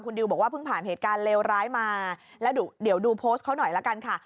ดิวบอกว่าเพิ่งผ่านเหตุการณ์เลวร้ายมาแล้วเดี๋ยวดูโพสต์เขาหน่อยละกันค่ะ